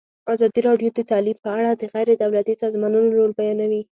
ازادي راډیو د تعلیم په اړه د غیر دولتي سازمانونو رول بیان کړی.